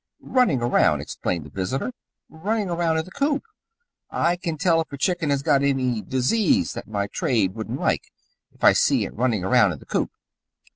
"Runnin' around," explained the visitor. "Runnin' around in the coop. I can tell if a chicken has got any disease that my trade wouldn't like, if I see it runnin' around in the coop.